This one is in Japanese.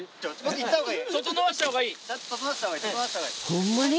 ホンマに？